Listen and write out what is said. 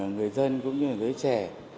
người dân cũng như người trẻ